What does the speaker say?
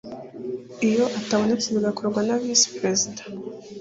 iyo atabonetse bigakorwa na visi perezida